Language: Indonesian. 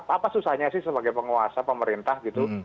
apa susahnya sih sebagai penguasa pemerintah gitu